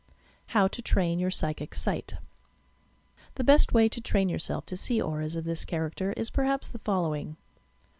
HOW TO TRAIN TOUR PSTCHIC SIGHT The best way to train yourself to see auras of this character is, perhaps, the following: 1.